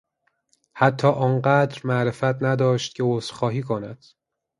حتی آنقدر معرفت نداشت که عذرخواهی کند.